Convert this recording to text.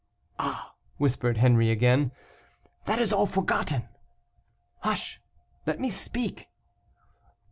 "Ah!" whispered Henri again: "that is all forgotten." "Hush! let me speak."